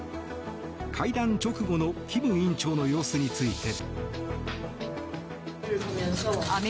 会談直後の金委員長の様子について。